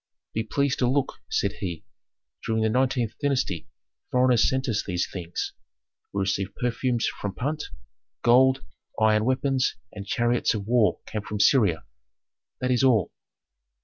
"Be pleased to look," said he. "During the nineteenth dynasty foreigners sent us these things: we received perfumes from Punt; gold, iron weapons, and chariots of war came from Syria. That is all.